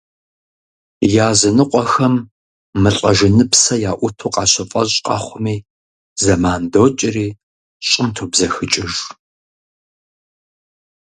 Языныкъуэхэм мылӀэжыныпсэ яӀуту къащыфӀэщӀ къэхъуми, зэман докӀри, щӀым тобзэхыкӀыж.